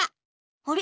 あれ？